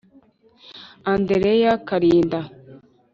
Andreya Kalinda,